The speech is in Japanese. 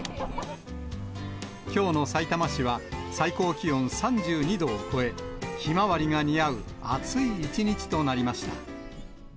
きょうのさいたま市は、最高気温３２度を超え、ひまわりが似合う暑い一日となりました。